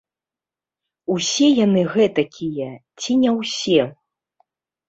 Усе яны гэтакія ці не ўсе?